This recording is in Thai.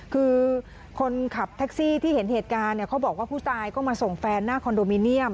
คือคนขับแท็กซี่ที่เห็นเหตุการณ์เนี่ยเขาบอกว่าผู้ตายก็มาส่งแฟนหน้าคอนโดมิเนียม